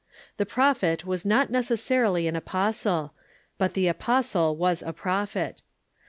The prophet was not necessarily an apostle, but the apostle was a prophet.